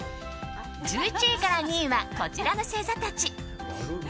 １１位から２位はこちらの星座たち。